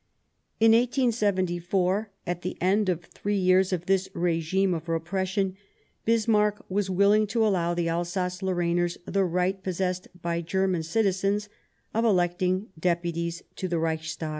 In 1874, at the end of three years of this regime of repression, Bismarck was willing to allow the Alsace Lorrainers the right possessed by German citizens of electing Deputies to the Reichstag.